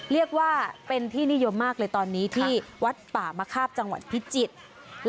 เรียกว่าเป็นที่นิยมมากเลยตอนนี้ที่วัดป่ามะคาบจังหวัดพิจิตร